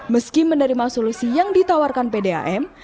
meski menerima solusi yang ditawarkan pdam